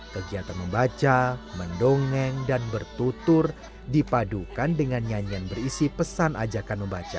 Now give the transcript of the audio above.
kegiatan membaca mendongeng dan bertutur dipadukan dengan nyanyian berisi pesan ajakan membaca